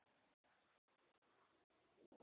Fue alcalde del Municipio Zamora del Estado Miranda.